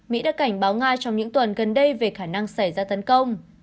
mỹ đã cảnh báo nga trong những tuần gần đây về khả năng xảy ra tấn công